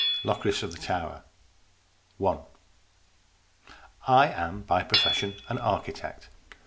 LOCRIS OF THE TOWER I I AM by profession an architect.